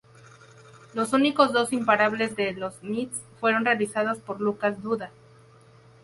Los únicos dos imparables de los Mets fueron realizados por Lucas Duda.